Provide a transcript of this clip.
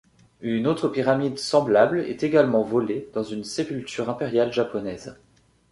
Une autre pyramide semblable est également volée dans une sépulture impériale japonaise.